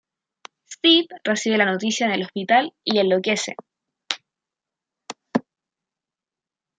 Steve recibe la noticia en el hospital y enloquece.